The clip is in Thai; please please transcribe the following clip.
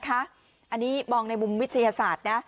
อันนี้มองในมุมวิทยาศาสตร์นะ